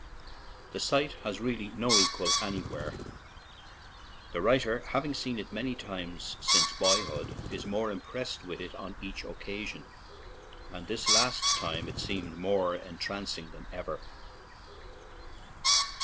The sight has really no equal anywhere. The writer, having seen it many times since boyhood, is more impressed with it on each occasion, and this last time it seemed more entrancing than ever.